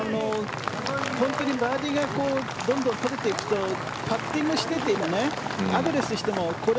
本当にバーディーがどんどん取れていくとパッティングしていてもアドレスしていてもこれ、